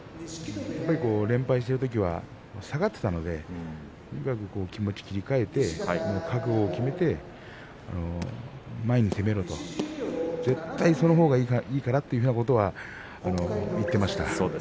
連敗をしているときは下がっていましたので気持ちを切り替えて覚悟を決めて前に攻めろと絶対そのほうがいいからということは言っていました。